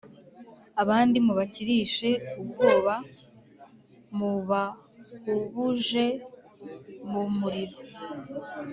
abandi mubakirishe ubwoba mubahubuje mu muriro